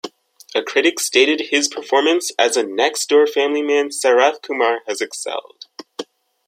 A critic stated his performance as "a next-door-family-man Sarathkumar has excelled".